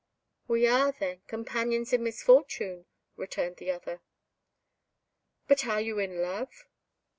"We are, then, companions in misfortune," returned the other. "But are you in love?"